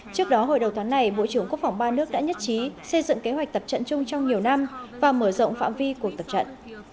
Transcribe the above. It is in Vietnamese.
trước đó hồi đầu tháng này bộ trưởng quốc phòng ba nước đã nhất trí xây dựng kế hoạch tập trận chung trong nhiều năm và mở rộng phạm vi cuộc tập trận